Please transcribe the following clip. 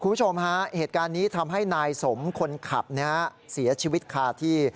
คุณผู้ชมฮะเหตุการณ์นี้ทำให้นายสมคนขับเสียชีวิตคาที่